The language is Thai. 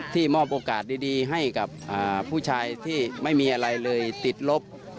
มอบโอกาสดีให้กับผู้ชายที่ไม่มีอะไรเลยติดลบ